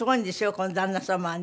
この旦那様はね。